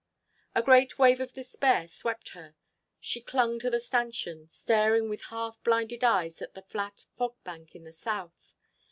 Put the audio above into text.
A great wave of despair swept her; she clung to the stanchion, staring with half blinded eyes at the flat fog bank in the south.